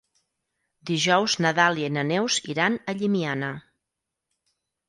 Dijous na Dàlia i na Neus iran a Llimiana.